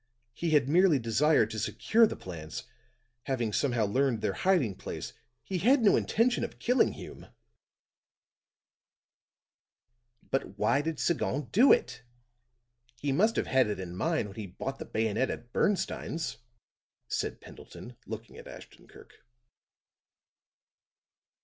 He had merely desired to secure the plans, having somehow learned their hiding place. He had no intention of killing Hume." "But why did Sagon do it? he must have had it in mind when he bought the bayonet at Bernstine's," said Pendleton, looking at Ashton Kirk.